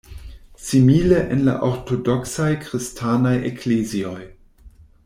Simile en la ortodoksaj kristanaj eklezioj.